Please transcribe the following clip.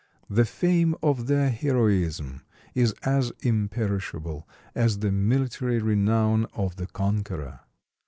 The fame of their heroism is as imperishable as the military renown of the conqueror.